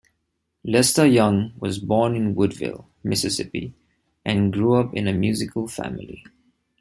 Lester Young was born in Woodville, Mississippi, and grew up in a musical family.